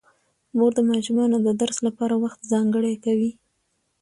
مور د ماشومانو د درس لپاره وخت ځانګړی کوي